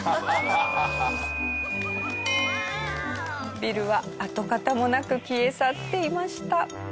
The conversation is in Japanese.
ビルは跡形もなく消え去っていました。